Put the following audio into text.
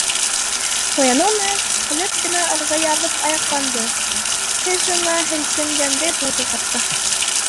Уяныу менән һәләт кенә ырғый яҙып аяҡланды, хижина һелкенгәндәй булды хатта.